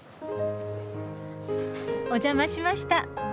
お邪魔しました。